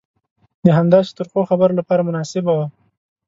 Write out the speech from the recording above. د همداسې ترخو خبرو لپاره مناسبه وه.